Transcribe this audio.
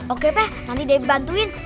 oke peh nanti dedy bantuin